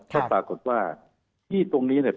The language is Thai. ก็ปรากฏว่าที่ตรงนี้เนี่ย